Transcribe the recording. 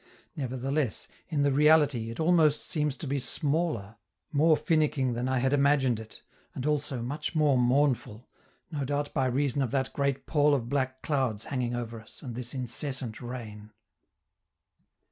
Nevertheless, in the reality it almost seems to be smaller, more finicking than I had imagined it, and also much more mournful, no doubt by reason of that great pall of black clouds hanging over us, and this incessant rain.